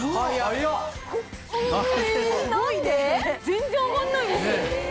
全然上がんないです。